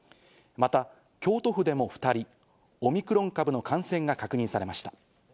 また京都府でも２人、オミクロン株の感染が確認されました。